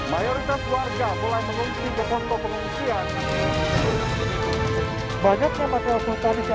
mayoritas warga mulai mengunci dokonto penghukuman